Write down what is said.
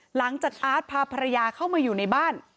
อาร์ตพาภรรยาเข้ามาอยู่ในบ้าน